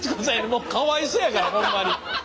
もうかわいそうやからほんまに。